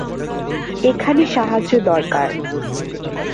এখানে সাহায্য দরকার।